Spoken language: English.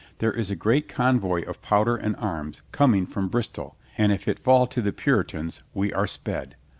There is a great convoy of powder and arms coming from Bristol and if it fall to the Puritans we are sped.